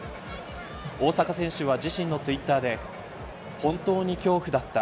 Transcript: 大坂選手は自身のツイッターで本当に恐怖だった。